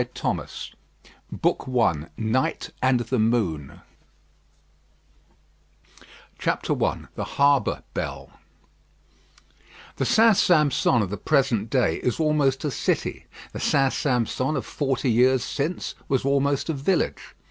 DÉRUCHETTE BOOK I NIGHT AND THE MOON I THE HARBOUR BELL The St. Sampson of the present day is almost a city; the St. Sampson of forty years since was almost a village.